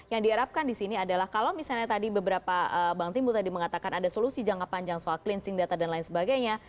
yang diharapkan disini adalah kalau misalnya tadi beberapa bang timbul tadi mengatakan ada solusi jangka panjang soal cleansing data dan lain sebagainya